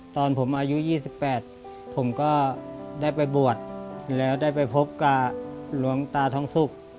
ตอนผมอายุ๒๘ผมก็ได้ไปบวชแล้วได้ไปพบกับหลวงตาทองสุก